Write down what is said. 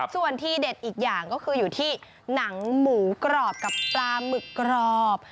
ส่วนที่เด็ดอีกอย่างก็คืออยู่ที่หนังหมูกรอบกับปลาหมึกกรอบ